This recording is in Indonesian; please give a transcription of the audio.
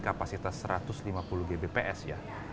kapasitas satu ratus lima puluh gbps ya